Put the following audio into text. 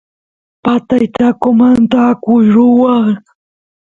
patay taqomanta akush ruwaq